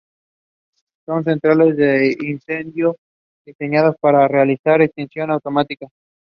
He is the National Spokesperson of Samajwadi Party.